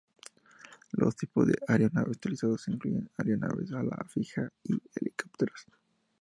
Los tipos de aeronaves utilizadas incluyen aeronaves de ala fija y helicópteros.